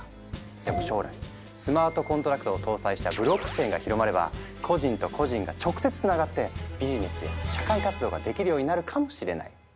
でも将来スマートコントラクトを搭載したブロックチェーンが広まれば個人と個人が直接つながってビジネスや社会活動ができるようになるかもしれない。